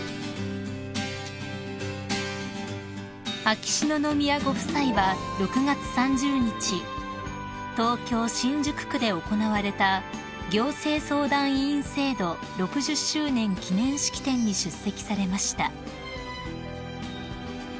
［秋篠宮ご夫妻は６月３０日東京新宿区で行われた行政相談委員制度６０周年記念式典に出席されました］